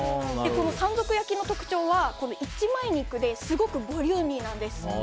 山賊焼きの特徴は、１枚肉ですごくボリューミーなんです。